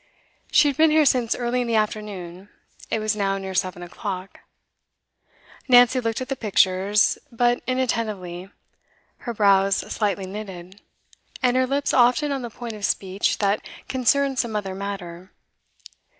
She had been here since early in the afternoon, it was now near seven o'clock. Nancy looked at the pictures, but inattentively, her brows slightly knitted, and her lips often on the point of speech that concerned some other matter.